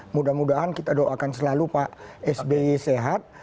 mudah mudahan kita doakan selalu pak sby sehat